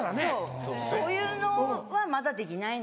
そうそういうのはまだできないので。